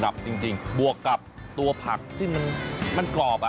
จริงบวกกับตัวผักที่มันกรอบอ่ะ